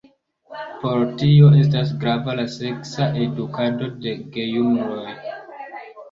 Por tio estas grava la seksa edukado de gejunuloj.